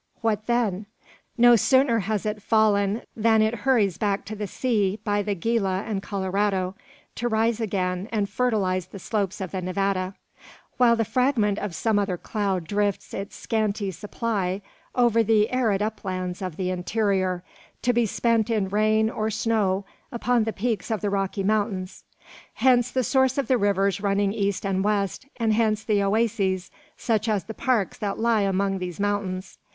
What then? No sooner has it fallen than it hurries back to the sea by the Gila and Colorado, to rise again and fertilise the slopes of the Nevada; while the fragment of some other cloud drifts its scanty supply over the arid uplands of the interior, to be spent in rain or snow upon the peaks of the Rocky Mountains. Hence the source of the rivers running east and west, and hence the oases, such as the parks that lie among these mountains.